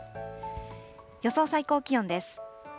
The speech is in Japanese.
予想最高気温です。